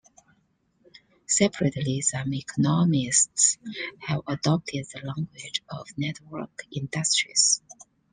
Separately, some economists have adopted the language of 'network industries'.